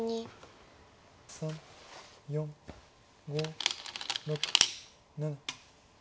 ３４５６７。